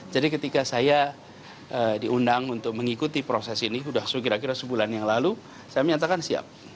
jadi ketika saya diundang untuk mengikuti proses ini sudah kira kira sebulan yang lalu saya menyatakan siap